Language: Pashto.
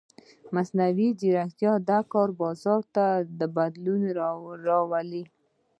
مصنوعي ځیرکتیا د کار بازار ته بدلون راولي.